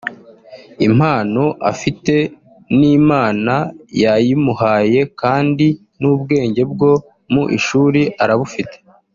impano afite n’Imana yayimuhaye kandi n’ubwenge bwo mu ishuri arabufite